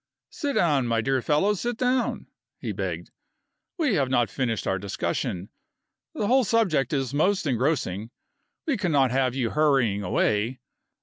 "Sit down, my dear fellow sit down," he begged. "We have not finished our discussion. The whole subject is most engrossing. We cannot have you hurrying away.